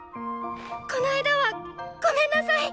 この間はごめんなさい！